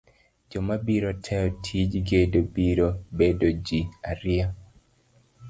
joma biro tayo tij gedo biro bedo ji ariyo.